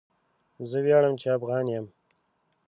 زه وياړم چي افغان يم.